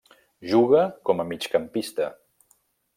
Juga com a migcampista.